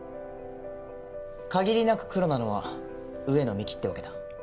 限りなくクロなのは上野美貴ってわけだ。